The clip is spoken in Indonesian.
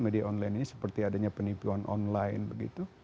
media online ini seperti adanya penipuan online begitu